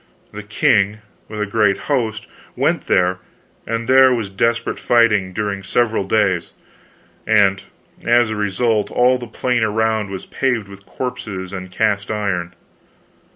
The king, with a great host, went there, and there was desperate fighting during several days, and, as a result, all the plain around was paved with corpses and cast iron.